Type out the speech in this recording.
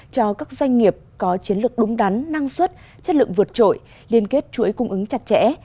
cho các doanh nghiệp có chiến lược đúng đắn năng suất chất lượng vượt trội liên kết chuỗi cung ứng chặt chẽ